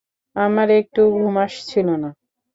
আমার একটুও ঘুম আসছিল না।